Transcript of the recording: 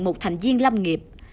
một thành viên lâm nghiệp